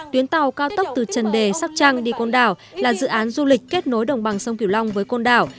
tuyến tàu cá tốc từ trần đề sóc trang đi côn đảo là dự án du lịch kết nối đồng bằng sông kiều long với côn đảo